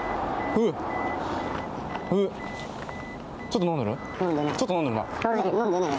ちょっと飲んどるな。